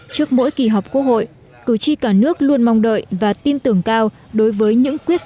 trước mỗi kỳ họp quốc hội cử tri cả nước luôn mong đợi và tin tưởng cao đối với những quyết